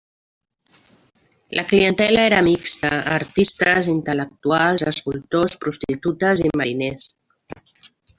La clientela era mixta, artistes, intel·lectuals, escultors, prostitutes i mariners.